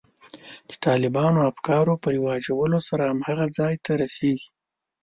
د طالباني افکارو په رواجولو سره هماغه ځای ته رسېږي.